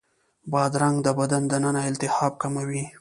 بادرنګ د بدن دننه التهاب کموي.